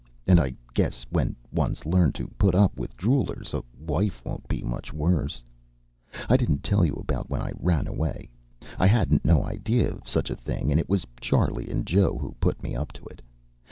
And I guess when one's learned to put up with droolers a wife won't be much worse. I didn't tell you about when I ran away. I hadn't no idea of such a thing, and it was Charley and Joe who put me up to it.